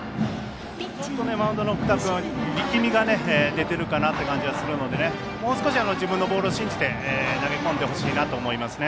マウンドの福田君力みが出てるかなっていう感じがするのでもう少し自分のボールを信じて投げ込んでほしいなと思いますね。